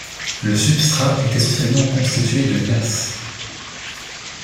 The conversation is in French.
Le substrat est essentiellement constitué de Lias.